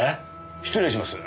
失礼します。